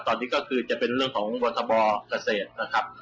ตอนนี้จะเป็นเรื่องของวัฒนฐบอกเกษตรนะครับ